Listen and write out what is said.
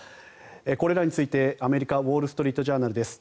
これらについてアメリカ、ウォール・ストリート・ジャーナルです。